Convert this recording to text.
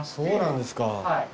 そうなんですか。